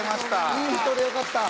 いい人でよかった。